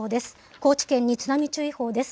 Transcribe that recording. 高知県に津波注意報です。